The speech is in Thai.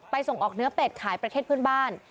ส่งออกเนื้อเป็ดขายประเทศเพื่อนบ้าน